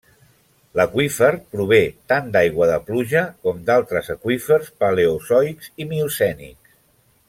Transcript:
L'aqüífer prové tant d'aigua de pluja com d'altres aqüífers paleozoics i miocènics.